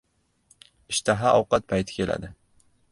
• Ishtaha ovqat payti keladi.